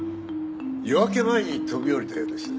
夜明け前に飛び降りたようです。